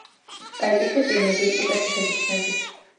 წაიკითხე წიგნები უკეთესად იქნები